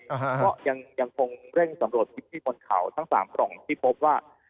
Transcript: ก็ยังต้องเร่งสำรวจที่บนข่าวทั้ง๓ปล่องที่พบว่า